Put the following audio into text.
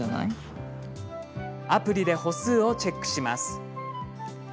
アプリで歩数をチェックします。